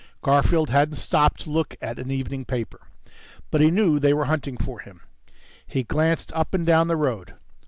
Garfield hadn't stopped to look at an evening paper. But he knew they were hunting for him. He glanced up and down the road.